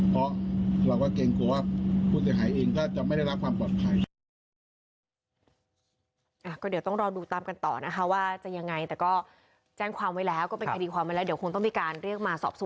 เพราะเราก็เกรงกลัวว่าผู้เสียหายเองก็จะไม่ได้รับความปลอดภัย